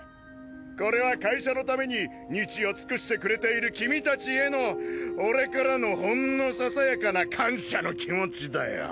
これは会社のために日夜尽くしてくれている君たちへの俺からのほんのささやかな感謝の気持ちだよ。